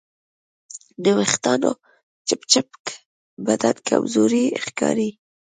د وېښتیانو چپچپک بدن کمزوری ښکاري.